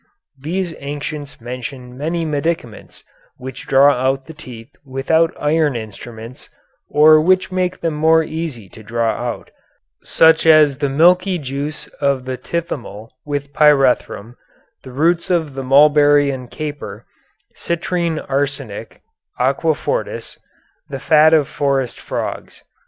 "The ancients mention many medicaments, which draw out the teeth without iron instruments or which make them more easy to draw out; such as the milky juice of the tithymal with pyrethrum, the roots of the mulberry and caper, citrine arsenic, aqua fortis, the fat of forest frogs.